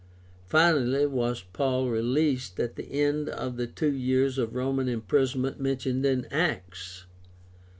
Finally, was Paul released at the end of the two years of Roman imprisonment mentioned in Acts